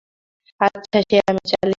আচ্ছা সে আমি চালিয়ে নেব।